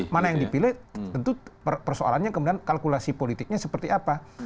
mana yang dipilih tentu persoalannya kemudian kalkulasi politiknya seperti apa